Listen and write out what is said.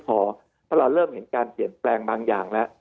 เพราะเราเริ่มเห็นการเปลี่ยนแปลงบางอย่างแล้ว